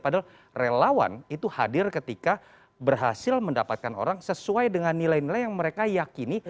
padahal relawan itu hadir ketika berhasil mendapatkan orang sesuai dengan nilai nilai yang mereka yakini